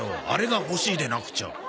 「あれが欲しい」でなくちゃ。